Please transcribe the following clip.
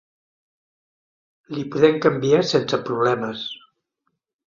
Li podem canviar sense problemes.